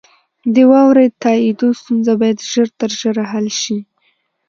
د واورئ تائیدو ستونزه باید ژر تر ژره حل شي.